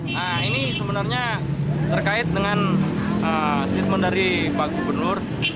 nah ini sebenarnya terkait dengan statement dari pak gubernur